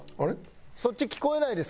そっち聞こえないですか？